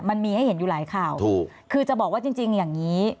มันมีให้เห็นอยู่หลายข่าวถูกคือจะบอกว่าจริงจริงอย่างนี้